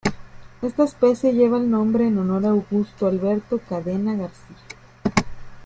Esta especie lleva el nombre en honor a Augusto Alberto Cadena-García.